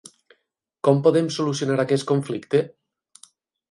Com podem solucionar aquest conflicte?